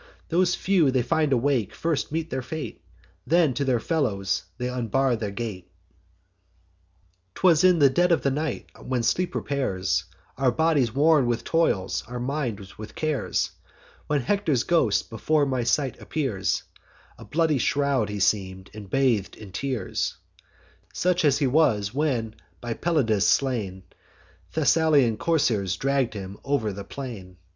Those few they find awake first meet their fate; Then to their fellows they unbar the gate. "'Twas in the dead of night, when sleep repairs Our bodies worn with toils, our minds with cares, When Hector's ghost before my sight appears: A bloody shroud he seem'd, and bath'd in tears; Such as he was, when, by Pelides slain, Thessalian coursers dragg'd him o'er the plain.